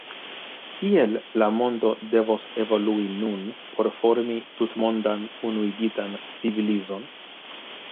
Kiel la mondo devos evolui nun por formi tutmondan, unuigitan civilizon?